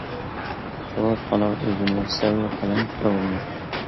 سوراپ قالار ئۆزىنى، سەۋر قىلىڭ داۋاملىق.